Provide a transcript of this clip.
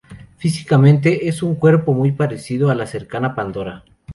Físicamente es un cuerpo muy parecido a la cercana Pandora.